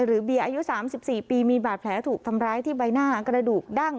เบียร์อายุ๓๔ปีมีบาดแผลถูกทำร้ายที่ใบหน้ากระดูกดั้ง